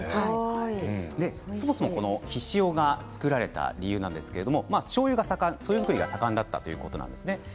そもそもひしおが造られた理由ですがしょうゆ造りが盛んだったということなんです。